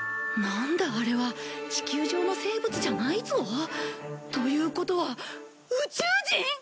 地球上の生物じゃないぞ。ということは宇宙人！？